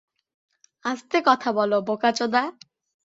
আস্তে কথা বল, বোকাচোদা।